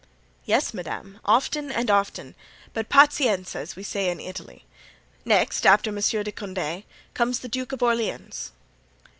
"Yes, madame, often and often, but pazienza, as we say in Italy; next, after Monsieur de Condé, comes the Duke of Orleans."